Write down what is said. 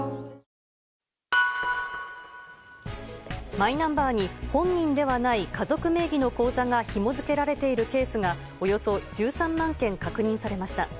マイナンバーに本人ではない家族名義の口座がひも付けられているケースがおよそ１３万件確認されました。